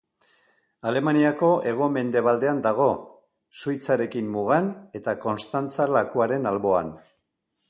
Alemaniako hego-mendebaldean dago, Suitzarekin mugan eta Konstantza lakuaren alboan.